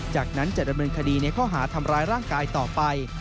จากนั้นจะดำเนินคดีในข้อหาทำร้ายร่างกายต่อไป